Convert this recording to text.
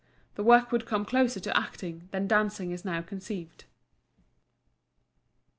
The work would come closer to acting, than dancing is now conceived.